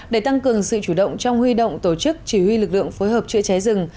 để tăng cường sự chủ động trong huy động tổ chức chỉ huy lực lượng phối hợp chữa cháy rừng